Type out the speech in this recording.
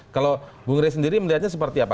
kalau bung rey sendiri melihatnya seperti apa